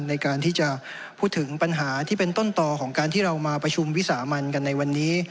ในการที่จะพูดถึงปัญหาที่เป็นต้นต่อของการที่เรามาประชุมวิสามันกันในวันนี้